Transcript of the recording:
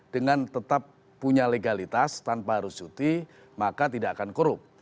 dengan tetap punya legalitas tanpa harus cuti maka tidak akan korup